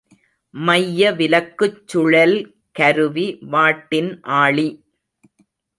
மைய விலக்குச் சுழல் கருவி வாட்டின் ஆளி.